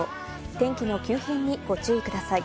天気の急変にご注意ください。